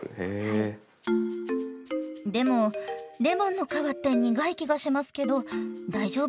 でもレモンの皮って苦い気がしますけど大丈夫？